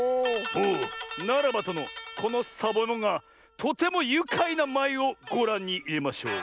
おおならばとのこのサボえもんがとてもゆかいなまいをごらんにいれましょう。